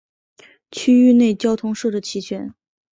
区域内交通设置齐全。